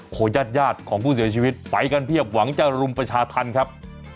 ญาติญาติของผู้เสียชีวิตไปกันเพียบหวังจะรุมประชาธรรมครับ